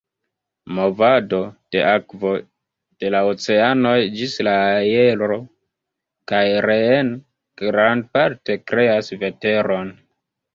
Movado de akvo de la oceanoj ĝis la aero kaj reen grandparte kreas veteron.